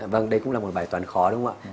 vâng đây cũng là một bài toán khó đúng không ạ